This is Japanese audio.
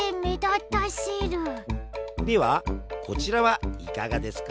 ではこちらはいかがですか？